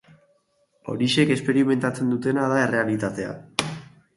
Horiexek esperimentatzen dutena da Errealitatea.